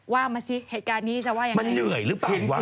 ว่ามาสิเหตุการณ์นี้จะว่ายังไง